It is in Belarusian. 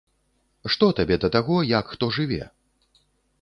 Што табе да таго, як хто жыве!